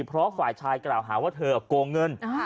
เพราะฝ่ายชายกระหว่าเธอก้องเงิน